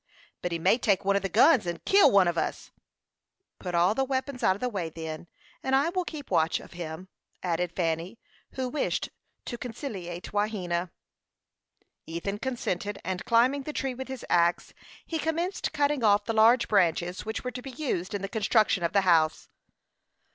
"But he may take one of the guns and kill one on us." "Put all the weapons out of the way, then, and I will keep watch of him," added Fanny, who wished to conciliate Wahena. Ethan consented, and climbing the tree with his axe, he commenced cutting off the large branches which were to be used in the construction of the house.